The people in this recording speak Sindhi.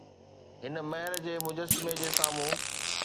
هن مهر جي مجسمي جي سامهون